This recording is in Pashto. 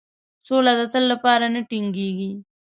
سوله د تل لپاره نه ټینګیږي.